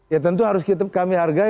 ya tentu harus kami hargai